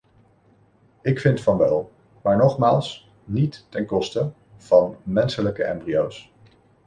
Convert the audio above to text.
Ik vind van wel, maar nogmaals, niet ten koste van menselijke embryo's.